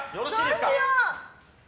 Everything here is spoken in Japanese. どうしよう！